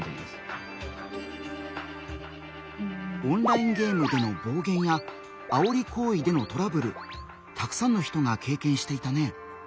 オンラインゲームでの暴言やあおり行為でのトラブルたくさんの人が経験していたね。